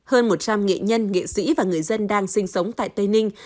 hơn một trăm linh nghệ nhân nghệ sĩ và người dân đang sinh sống tại tây ninh